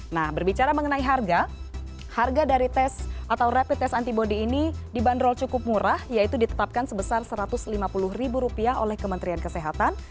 nah berbicara mengenai harga harga dari tes atau rapid test antibody ini dibanderol cukup murah yaitu ditetapkan sebesar rp satu ratus lima puluh ribu rupiah oleh kementerian kesehatan